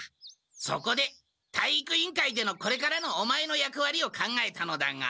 そこで体育委員会でのこれからのオマエの役わりを考えたのだが。